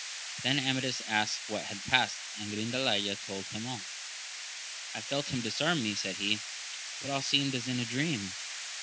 Then Amadis asked what had past, and Grindalaya told him all. I felt him disarm me, said he, but all seemed as in a dream.